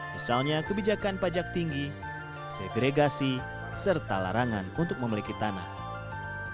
misalnya kebijakan pajak tinggi setiregasi serta larangan untuk memiliki tanah